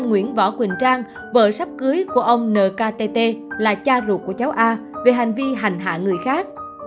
nguyễn võ quỳnh trang vợ sắp cưới của ông nkt là cha ruột của cháu a về hành vi hành hạ người khác